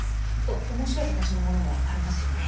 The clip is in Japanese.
面白い形のものもありますよね。